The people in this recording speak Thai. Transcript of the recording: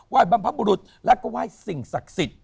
ไหว้บำพะบุรุษและก็ไหว้สิ่งศักดิ์สิทธิ์